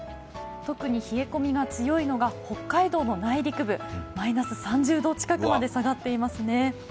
特に冷え込みが強いのが北海道の内陸部マイナス３０度近くまで下がっていますね。